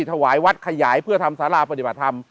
ถวายวัดขยายเพื่อทำสาราปฏิบัติธรรม